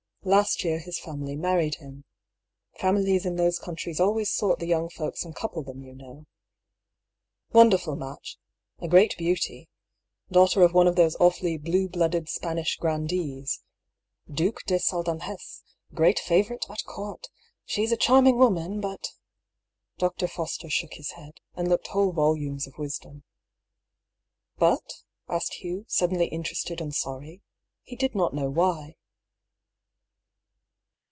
Last year his family married him. Fam ilies in those countries always sort the young folks and couple them, you know. Wonderful match — ^a great beauty — daughter of one of those awfully blue blooded Spanish grandees, Duke de Saldanh6s, great favourite at Court. She's a charming woman, but ^" Dr. Foster shook his head, and looked whole volumes of wisdom. " But ?" asked Hugh, suddenly interested and sorry. He did not know why.